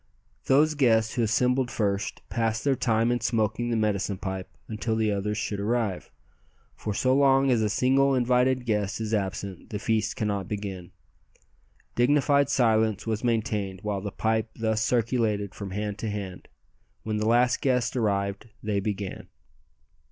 Those guests who assembled first passed their time in smoking the medicine pipe until the others should arrive, for so long as a single invited guest is absent the feast cannot begin. Dignified silence was maintained while the pipe thus circulated from hand to hand. When the last guest arrived they began.